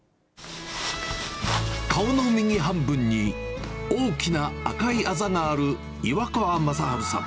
顔の右半分に大きな赤いあざがある岩川雅治さん